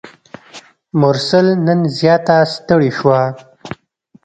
مرسل نن زیاته ستړي شوه.